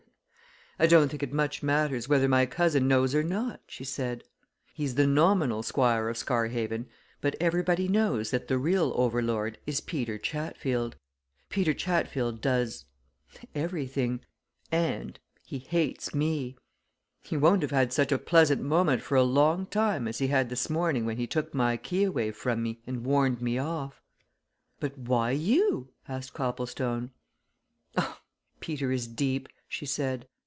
"I don't think it much matters whether my cousin knows or not," she said. "He's the nominal Squire of Scarhaven, but everybody knows that the real over lord is Peter Chatfield. Peter Chatfield does everything. And he hates me! He won't have had such a pleasant moment for a long time as he had this morning when he took my key away from me and warned me off." "But why you?" asked Copplestone. "Oh Peter is deep!" she said.